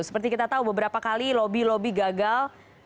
seperti kita tahu beberapa kali lobby lobby gagal